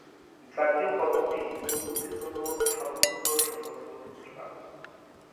জাতীয় পদকটি প্রযুক্তির জন্য সর্বোচ্চ সম্মানিত পুরস্কার।